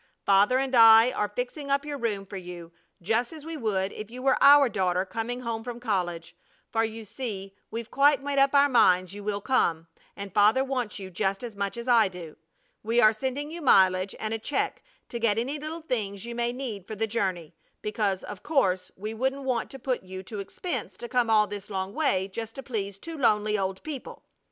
Father and I are fixing up your room for you, just as we would if you were our own daughter coming home from college. For you see we've quite made up our minds you will come, and Father wants you just as much as I do. We are sending you mileage, and a check to get any little things you may need for the journey, because, of course, we wouldn't want to put you to expense to come all this long way just to please two lonely old people.